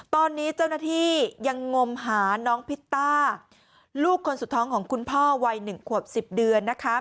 ตอนนี้เจ้าหน้าที่ยังงมหาน้องพิตต้าลูกคนสุดท้องของคุณพ่อวัย๑ขวบ๑๐เดือนนะคะ